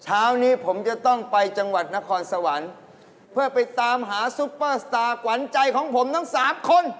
เช้านี้ผมจะต้องไปจังหวัดนครสวรรค์เพื่อไปตามหาซุปเปอร์สตาร์ขวัญใจของผมทั้งสามคน